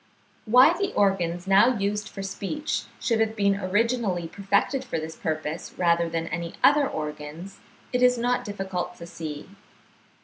Why the organs now used for speech should have been originally perfected for this purpose, rather than any other organs, it is not difficult to see.